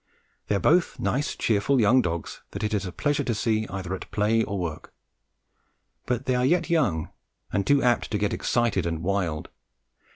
They are both nice cheerful young dogs that it is a pleasure to see either at play or work, but they are yet young and too apt to get excited and wild.